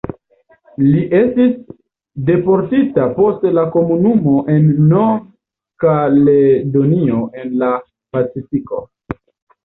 Li estis deportita post la Komunumo en Nov-Kaledonio en la Pacifiko.